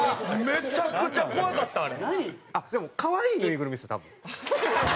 めちゃくちゃ怖かったあれ。